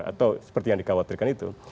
atau seperti yang dikhawatirkan itu